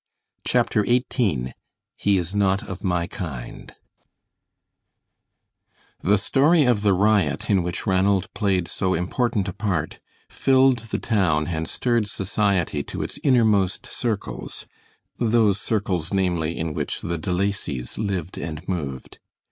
CHAPTER XVIII HE IS NOT OF MY KIND The story of the riot in which Ranald played so important a part filled the town and stirred society to its innermost circles those circles, namely, in which the De Lacys lived and moved.